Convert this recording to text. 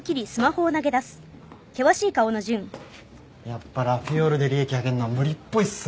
やっぱラフィオールで利益上げんのは無理っぽいっすね。